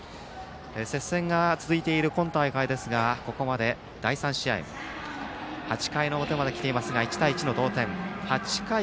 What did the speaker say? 接戦が続いている今大会ですがここまで第３試合８回の表まで来ていますが１対１の同点。